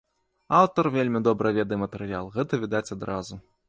Аўтар вельмі добра ведае матэрыял, гэта відаць адразу.